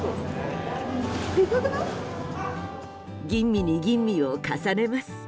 吟味に吟味を重ねます。